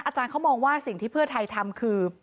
อาจารย์เขามองว่าสิ่งที่เพื่อไทยทำคือ